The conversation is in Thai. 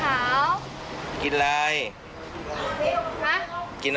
อืมเป็นอะไรนะ